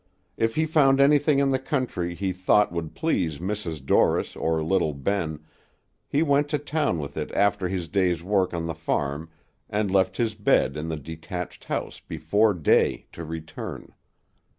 If he found anything in the country he thought would please Mrs. Dorris or little Ben, he went to town with it after his day's work on the farm, and left his bed in the detached house before day to return.